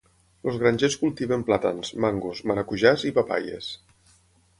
Els grangers cultiven plàtans, mangos, maracujàs i papaies.